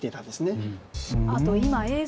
あと今映像